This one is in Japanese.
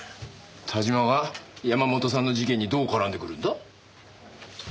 田島が山本さんの事件にどう絡んでくるんだ？